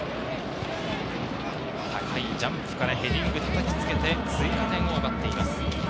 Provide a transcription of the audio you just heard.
高いジャンプからヘディングを叩きつけて追加点を奪っています。